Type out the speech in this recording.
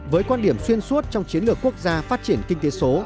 với quan điểm xuyên suốt trong chiến lược quốc gia phát triển kinh tế số